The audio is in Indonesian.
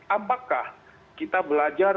apakah kita belajar